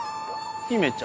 姫ちゃん。